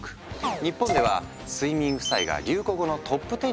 日本では睡眠負債が流行語のトップ１０に選ばれるまでに。